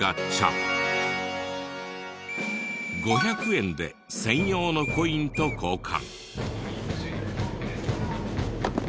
５００円で専用のコインと交換。